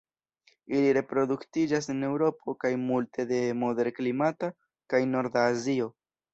Ili reproduktiĝas en Eŭropo kaj multe de moderklimata kaj norda Azio.